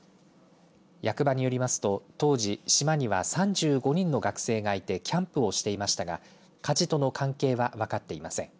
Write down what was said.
役場によりますと当時島には３５人の学生がいてキャンプをしていましたが火事との関係は分かっていません。